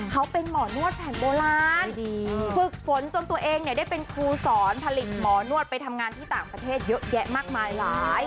เขาเป็นหมอนวดแผ่นโบราณฝึกฝนจนตัวเองเนี่ยได้เป็นครูสอนผลิตหมอนวดไปทำงานที่ต่างประเทศเยอะแยะมากมายหลาย